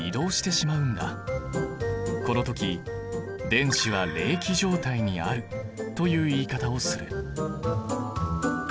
この時「電子は励起状態にある」という言い方をする。